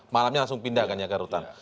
malamnya langsung pindah kan ya ke rutan